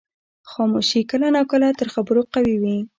خاموشي کله ناکله تر خبرو قوي وي.